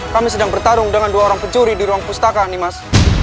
kami sedang bertarung dengan dua orang pencuri di ruang pustaka nih mas